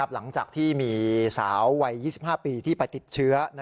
หลังจากที่มีสาววัย๒๕ปีที่ไปติดเชื้อ